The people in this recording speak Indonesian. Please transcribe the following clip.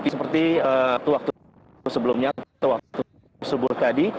seperti waktu sebelumnya atau waktu sebelumnya